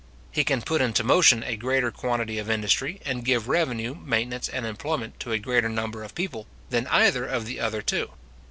He can put into motion a greater quantity of industry, and give revenue, maintenance, and employment, to a greater number of people, than either of the other two.